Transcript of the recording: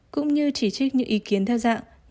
cũng như chỉ trích những ý kiến theo dạng